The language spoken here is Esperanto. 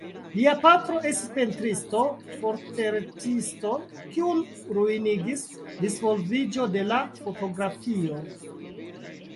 Lia patro estis pentristo-portretisto kiun ruinigis disvolviĝo de la fotografio.